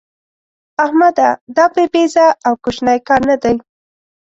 احمده! دا بابېزه او کوشنی کار نه دی.